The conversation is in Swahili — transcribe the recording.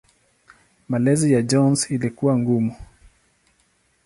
Malezi ya Jones ilikuwa ngumu.